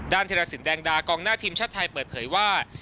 ธิรสินแดงดากองหน้าทีมชาติไทยเปิดเผยว่า